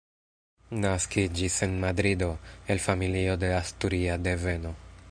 Naskiĝis en Madrido, el familio de asturia deveno.